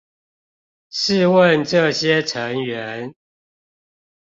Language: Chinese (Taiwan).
試問這些成員